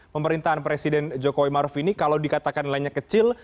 pemerintahan presiden jokowi maruf ini kalau dikatakan nilainya kecil